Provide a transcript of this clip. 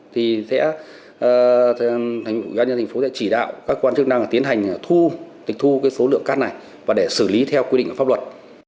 thì sẽ thành phố sẽ chỉ đạo các quan chức năng tiến hành thu tịch thu cái số lượng cát này và để xử lý theo quy định của pháp luật